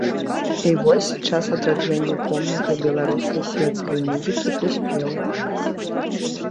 І вось час адраджэння помніка беларускай свецкай музыкі прыспеў.